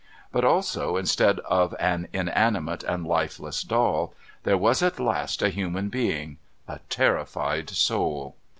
But also, instead of an inanimate and lifeless doll, there was at last a human being, a terrified soul.